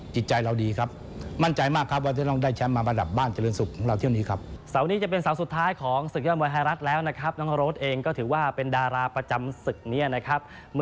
จิตใจเราดีครับมั่นใจมากครับว่าจะต้องได้แชมป์มาประดับบ้านเจริญสุขของเราเที่ยวนี้ครับ